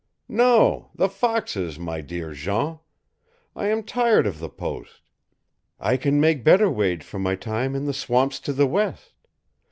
"No, the foxes, my dear Jean. I am tired of the post. I can make better wage for my time in the swamps to the west.